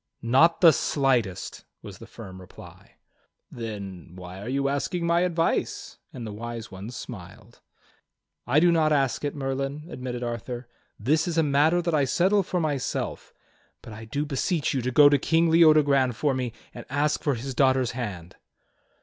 "Not the slightest," was the firm reply. "Then, why are you asking my advice?" and the Wise One smiled. "I do not ask it. Merlin," admitted Arthur. "This is a matter that I settle for myself; but I do beseech you to go to King Leodogran for me and ask for his daughter's hand."